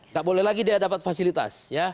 nggak boleh lagi dia dapat fasilitas